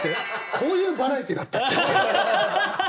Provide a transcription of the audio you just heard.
こういうバラエティーだったっけ？